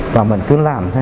và mình cứ làm thế